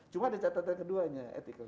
cuma ada catatan keduanya